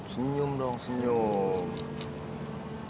senyum dong senyum